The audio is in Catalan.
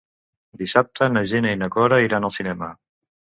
Dissabte na Gina i na Cora iran al cinema.